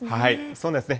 そうなんですね。